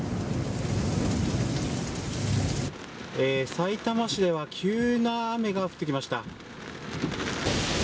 さいたま市では急な雨が降ってきました。